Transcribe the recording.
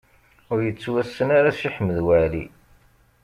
Ur yettwassen ara Si Ḥmed Waɛli.